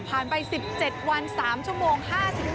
ผ่านไป๑๗วัน๓ชั่วโมง๕๑นาที